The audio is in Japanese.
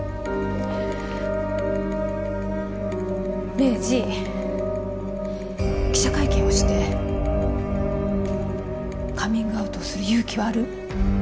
レイジ記者会見をしてカミングアウトをする勇気はある？